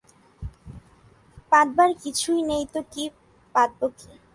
পাতবার কিছুই নেই তো পাতব কী।